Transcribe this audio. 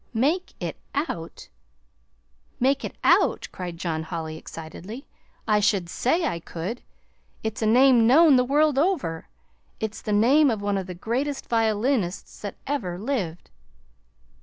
"Make it out make it out!" cried John Holly excitedly; "I should say I could! It's a name known the world over. It's the name of one of the greatest violinists that ever lived."